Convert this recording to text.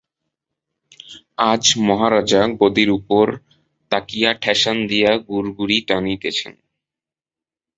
আজ মহারাজা গদির উপরে তাকিয়া ঠেসান দিয়া গুড়গুড়ি টানিতেছেন।